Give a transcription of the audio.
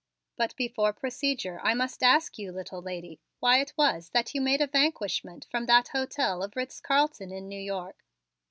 But before procedure I must ask you, little lady, why it was that you made a vanishment from that hotel of Ritz Carlton in New York.